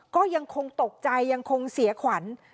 ก็ยังคงตกใจยังคงเสียขวัญ